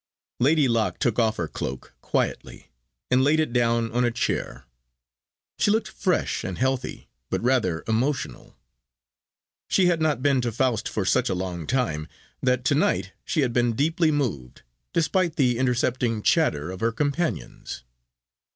Lady Locke took off her cloak quietly, and laid it down on a chair. She looked fresh and healthy, but rather emotional. She had not been to "Faust" for such a long time, that to night she had been deeply moved, despite the intercepting chatter of her companions.